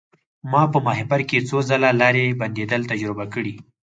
ما په ماهیپر کې څو ځله لارې بندیدل تجربه کړي.